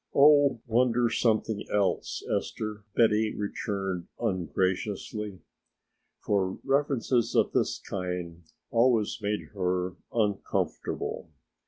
"Oh, wonder something else, Esther," Betty returned ungraciously, for references of this kind always made her uncomfortable.